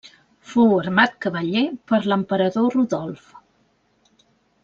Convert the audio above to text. Fou armat cavaller per l'emperador Rodolf.